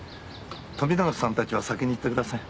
富永さんたちは先に行ってください。